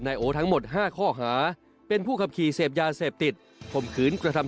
ตอนนี้อยากขอโทษใครอะไรยังไงพูดได้เลย